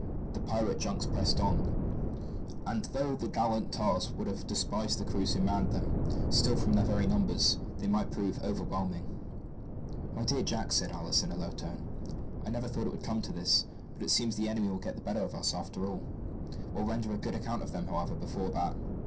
The pirate junks pressed on, and though the gallant tars would have despised the crews who manned them, still, from their very numbers, they might prove overwhelming. "My dear Jack," said Alick, in a low voice, "I never thought it would come to this; but it seems that the enemy will get the better of us, after all. We'll render a good account of them, however, before that."